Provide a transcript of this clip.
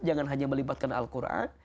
jangan hanya melibatkan al quran